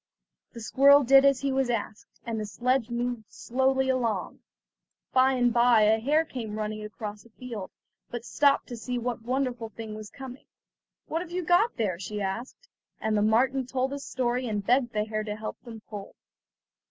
The squirrel did as he was asked, and the sledge moved slowly along. By and by a hare came running across a field, but stopped to see what wonderful thing was coming. "What have you got there?" she asked, and the marten told his story and begged the hare to help them pull.